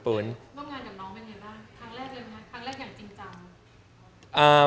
ครั้งแรกอย่างจริงจำ